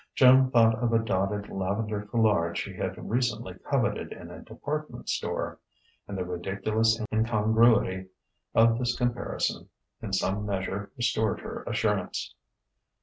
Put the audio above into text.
Joan thought of a dotted lavender foulard she had recently coveted in a department store; and the ridiculous incongruity of this comparison in some measure restored her assurance.